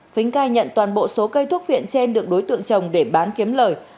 phính cai nhận toàn bộ số cây thuốc viện trên được đối tượng trồng để bán kiếm lời